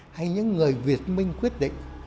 hay những người việt minh quyết định